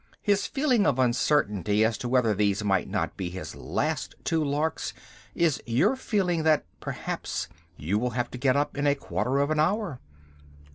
His feeling of uncertainty as to whether these might not be his last two larks is your feeling that, perhaps, you will have to get up in a quarter of an hour.